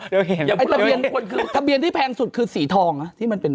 เดี๋ยวเดี๋ยวเห็นทะเบียนที่แพงสุดคือสีทองอ่ะที่มันเป็น